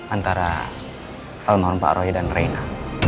antara alman pak ruy dan reina